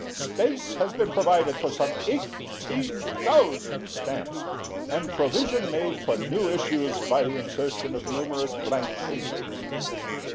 Space has been provided for some 18,000 stamps, and provision made for new issues by the insertion of numerous blank pages.